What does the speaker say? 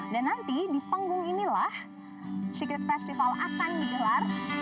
nanti di panggung inilah secret festival akan digelar